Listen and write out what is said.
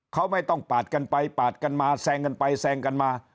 เขาไม่ต้องปาดกันไปปาดกันมาแซงกันไปแซงกันมา